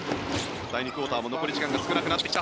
第２クオーターも残り時間が少なくなってきた。